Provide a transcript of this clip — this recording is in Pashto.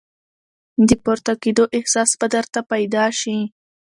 د پورته کېدو احساس به درته پیدا شي !